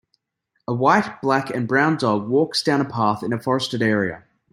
A white, black, and brown dog walks down a path in a forested area.